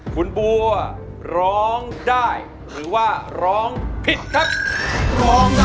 คุณบัวร้องได้หรือว่าร้องผิดครับ